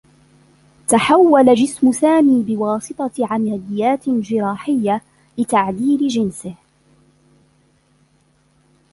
تحوّل جسم سامي بواسطة عمليّات جراحيّة لتعديل جنسه.